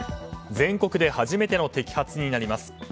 全国で初めての摘発になります。